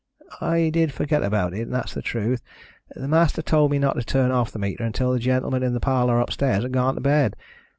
"I did forget about it, and that's the truth. The master told me not to turn off the meter until the gentlemen in the parlour upstairs had gone to bed.